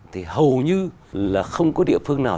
thì hầu như là không có địa phương nào